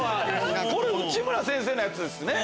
これ内村先生のやつですね？